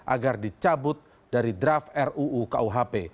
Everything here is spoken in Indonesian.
agar dicabut dari draft ruu kuhp